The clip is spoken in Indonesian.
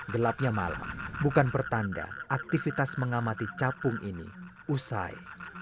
gelapnya malam bukan pertanda aktivitas mengamati capung ini usai